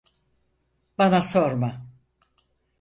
Bana sorma.